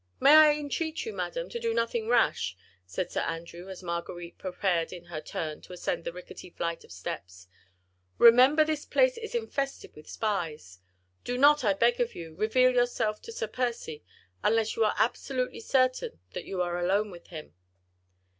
"May I entreat you, madam, to do nothing rash," said Sir Andrew, as Marguerite prepared in her turn to ascend the rickety flight of steps. "Remember this place is infested with spies. Do not, I beg of you, reveal yourself to Sir Percy, unless you are absolutely certain that you are alone with him."